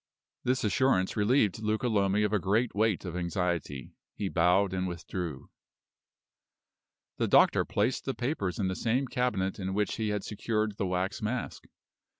This assurance relieved Luca Lomi of a great weight of anxiety. He bowed and withdrew. The doctor placed the papers in the same cabinet in which he had secured the wax mask.